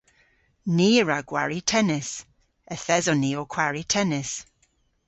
Ni a wra gwari tennis. Yth eson ni ow kwari tennis.